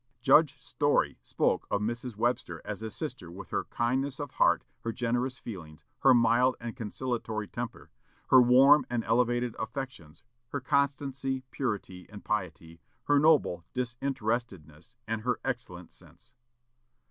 Judge Story spoke of Mrs. Webster as a sister with "her kindness of heart, her generous feelings, her mild and conciliatory temper, her warm and elevated affections, her constancy, purity, and piety, her noble disinterestedness, and her excellent sense."